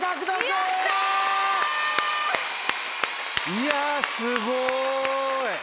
いやすごい！